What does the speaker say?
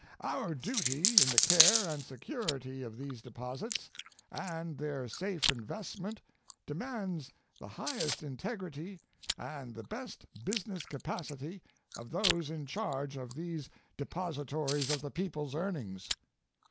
Our duty in the care and security of these deposits and their safe investment demands the highest integrity and the best business capacity of those in charge of these depositories of the people's earnings.